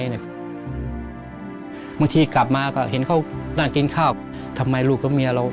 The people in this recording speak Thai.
บางทีกลับมาก็เห็นเขานั่งกินข้าวทำไมลูกกับเมียเรา